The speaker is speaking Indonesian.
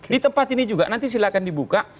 di tempat ini juga nanti silahkan dibuka